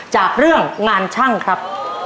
จากเรื่องงานช่างครับ